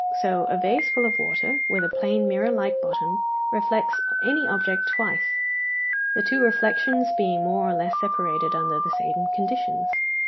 So a vase full of water, with a plane mirror like bottom, reflects any object twice, the two reflections being more or less separated under the same conditions.